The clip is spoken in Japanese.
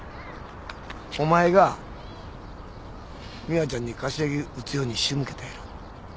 お前が美羽ちゃんに柏木撃つようにしむけたやろ。